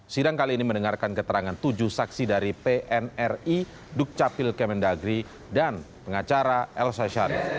sidang kali ini mendengarkan keterangan tujuh saksi dari pnri dukcapil kemendagri dan pengacara elsa syarif